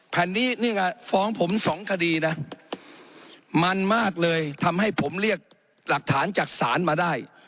แผ่นนี้นี่ก็ฟ้องผมสองคดีนะมันมากเลยทำให้ผมเรียกหลักฐานจากศาลมาได้